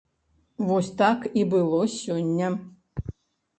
Вось так і было сёння!